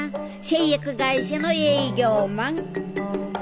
製薬会社の営業マン。